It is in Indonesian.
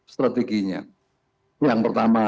strateginya yang pertama